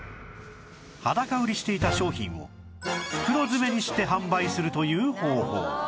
裸売りしていた商品を袋詰めにして販売するという方法